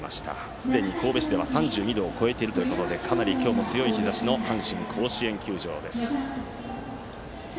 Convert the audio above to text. すでに神戸市では３２度を超えているということでかなり今日も強い日ざしの阪神甲子園球場です。